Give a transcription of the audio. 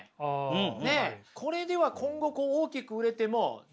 うん。